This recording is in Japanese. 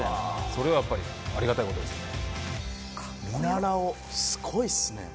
それはやっぱりありがたい事ですよね。